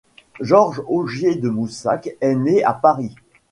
Georges Augier de Moussac est né à Paris.